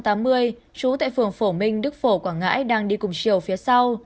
trú tại phường phổ minh đức phổ quảng ngãi đang đi cùng chiều phía sau